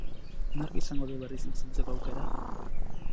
Nork izango du berriz itzultzeko aukera?